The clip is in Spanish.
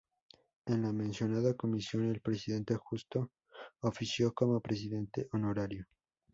En la mencionada comisión el presidente Justo ofició como presidente honorario.